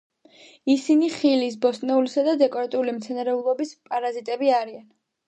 ისინი ხილის, ბოსტნეულისა და დეკორატიული მცენარეულობის პარაზიტები არიან.